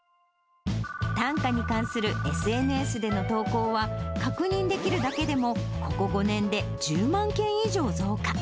短歌に関するＳＮＳでの投稿は、確認できるだけでも、ここ５年で１０万件以上増加。